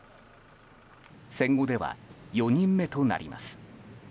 戦後では４人目となります。